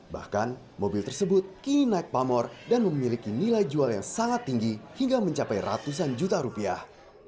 bahkan mobil tersebut kini naik pamor dan memiliki nilai jual yang sangat tinggi hingga mencapai ratusan juta rupiah